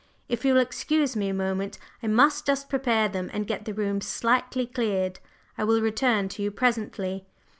If you will excuse me a moment I must just prepare them and get the rooms slightly cleared. I will return to you presently."